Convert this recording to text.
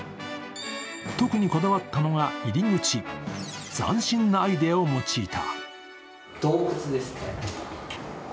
特にこだわったのが入り口、斬新なアイデアを用いた。